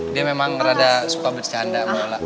dia memang rada suka bercanda